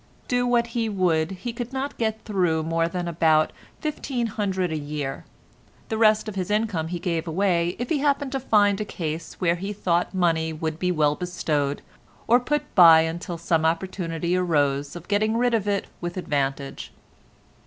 Do what he would he could not get through more than about fifteen hundred a year; the rest of his income he gave away if he happened to find a case where he thought money would be well bestowed, or put by until some opportunity arose of getting rid of it with advantage.